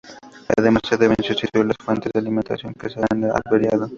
Además, se deben sustituir las fuentes de alimentación que se han averiado.